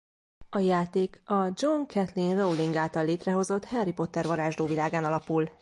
A játék a Joanne Kathleen Rowling által létrehozott Harry Potter varázslóvilágán alapul.